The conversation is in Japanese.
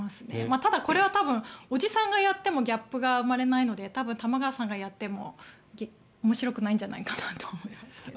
ただ、これは多分おじさんがやってもギャップが生まれないので多分、玉川さんがやっても面白くないんじゃないかなと思いますけれど。